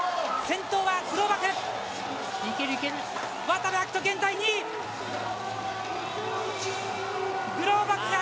先頭はグローバク！